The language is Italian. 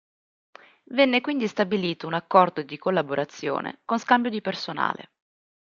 Venne quindi stabilito un accordo di collaborazione con scambio di personale.